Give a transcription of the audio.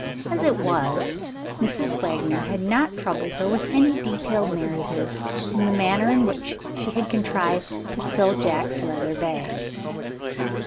As it was, Mrs. Wagner had not troubled her with any detailed narrative of the manner in which she had contrived to fill Jack's leather bag.